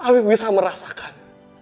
hafif bisa merasakan